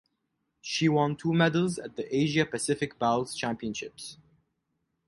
She won two medals at the Asia Pacific Bowls Championships.